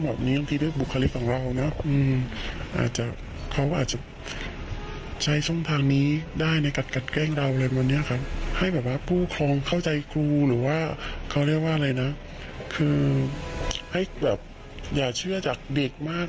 หรือว่าเขาเรียกว่าอะไรนะคือให้แบบอย่าเชื่อจากเด็กมาก